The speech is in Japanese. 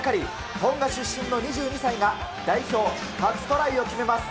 トンガ出身の２２歳が代表初トライを決めます。